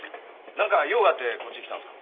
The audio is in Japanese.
何か用があってこっち来たんですか？